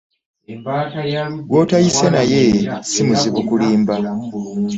Gw'otoyise naye si muzibu kulimba.